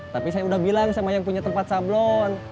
tapi saya udah bilang sama yang punya tempat sablon